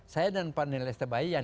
saya dan pak neleste bayi yang